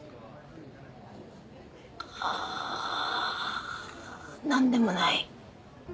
あー何でもない。